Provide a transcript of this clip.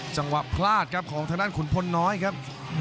จังหวะพลาดครับของทางด้านขุนพลน้อยครับ